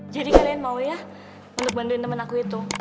jadi kalian mau ya untuk bantuin teman aku itu